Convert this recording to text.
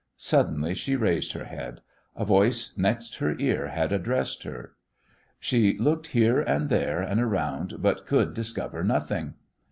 Suddenly she raised her head. A voice next her ear had addressed her. She looked here and there and around, but could discover nothing.